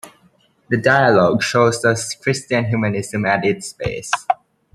The dialogue shows us Christian humanism at its best.